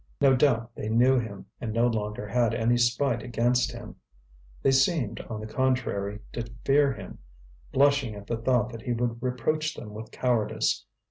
No doubt they knew him and no longer had any spite against him; they seemed, on the contrary, to fear him, blushing at the thought that he would reproach them with cowardice.